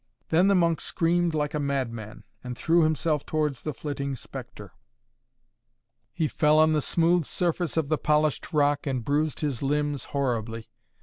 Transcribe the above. Then the monk screamed like a madman and threw himself towards the flitting spectre. He fell on the smooth surface of the polished rock and bruised his limbs horribly.